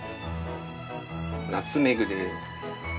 ナツメグです。